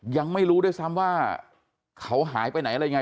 ยังไม่รู้ด้วยซ้ำว่าเขาหายไปไหนอะไรยังไง